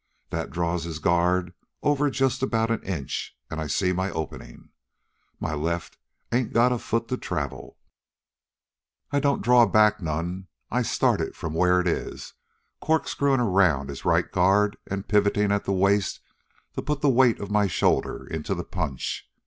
That draws his guard over just about an inch, an' I see my openin'. My left ain't got a foot to travel. I don't draw it back none. I start it from where it is, corkscrewin' around his right guard an' pivotin' at the waist to put the weight of my shoulder into the punch.